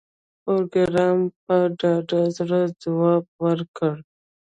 پروګرامر په ډاډه زړه ځواب ورکړ